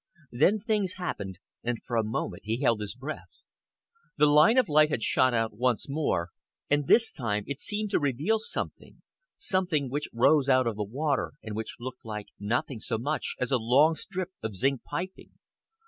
Then things happened, and for a moment he held his breath. The line of light had shot out once more, and this time it seemed to reveal something, something which rose out of the water and which looked like nothing so much as a long strip of zinc piping.